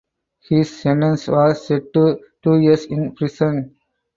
His sentence was set to two years in prison.